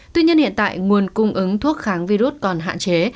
tuy nhiên hiện tại nguồn cung ứng thuốc kháng virus còn hạn chế